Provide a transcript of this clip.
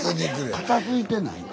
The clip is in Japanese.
片づいてないの？